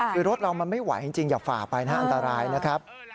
คือรถเรามันไม่ไหวจริงอย่าฝ่าไปนะอันตรายนะครับ